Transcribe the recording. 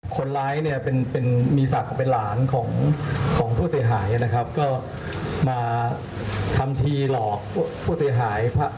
คนร้ายมีศักดิ์เป็นหลานของผู้เสียหายก็มาทำทีหลอกผู้เสียหาย